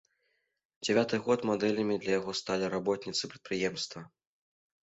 Дзявяты год мадэлямі для яго сталі работніцы прадпрыемства.